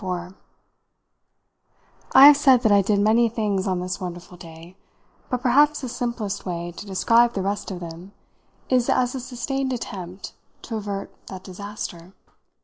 IV I have said that I did many things on this wonderful day, but perhaps the simplest way to describe the rest of them is as a sustained attempt to avert that disaster.